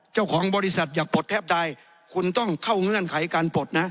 เจ้าของบริษัทอยากปลดแทบใดคุณต้องเข้าเงื่อนไขการปลดนะ